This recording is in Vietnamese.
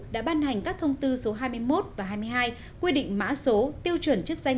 đã ban hành các thông tư số hai mươi một và hai mươi hai quy định mã số tiêu chuẩn chức danh